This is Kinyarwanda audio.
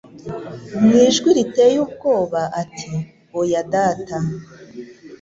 Mu ijwi riteye ubwoba ati: "Oya, Data".